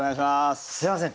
すみません